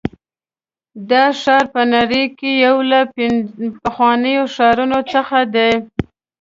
دا ښار په نړۍ کې یو له پخوانیو ښارونو څخه دی.